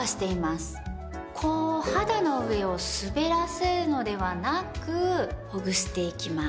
こう肌の上を滑らせるのではなくほぐしていきます。